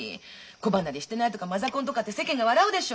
子離れしてないとかマザコンとかって世間が笑うでしょ。